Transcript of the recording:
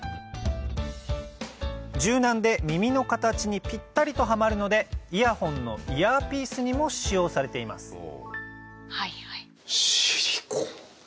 柔軟で耳の形にピッタリとはまるのでイヤホンのイヤーピースにも使用されていますシリコーン。